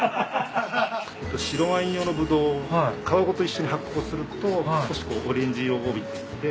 白ワイン用のブドウ皮ごと一緒に発酵すると少しこうオレンジ色を帯びてきて。